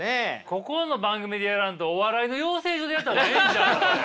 ここの番組でやらんとお笑いの養成所でやった方がええんちゃうかこれ。